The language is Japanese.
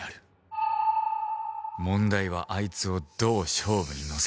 問題はあいつをどう勝負に乗せるかだ